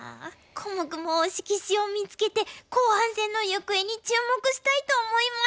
コモクも推し棋士を見つけて後半戦の行方に注目したいと思います。